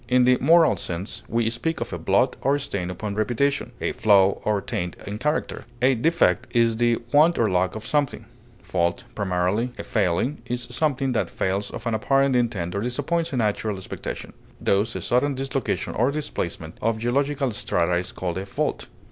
In the moral sense, we speak of a blot or stain upon reputation; a flaw or taint in character. A defect is the want or lack of something; fault, primarily a failing, is something that fails of an apparent intent or disappoints a natural expectation; thus a sudden dislocation or displacement of geological strata is called a fault.